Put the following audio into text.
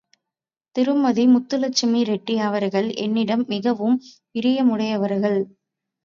திருமதி முத்துலட்சுமி ரெட்டி அவர்கள் என்னிடம் மிகவும் பிரியமுடையவர்கள்.